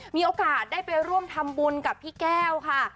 มีโอกาสได้ไปร่วมทำบุญกับพี่แก้วค่ะ